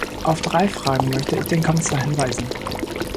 Auf drei Fragen möchte ich den Kommissar hinweisen.